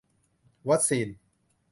วัคซีน